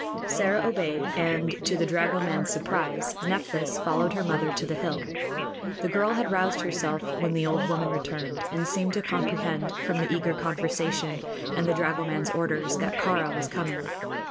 Sĕra obeyed, and, to the dragoman's surprise, Nephthys followed her mother to the hill. The girl had roused herself when the old woman returned, and seemed to comprehend, from the eager conversation and the dragoman's orders, that Kāra was coming.